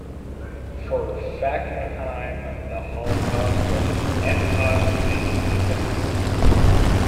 For Fackenheim, the Holocaust was an "epoch-making event".